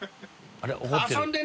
あれ？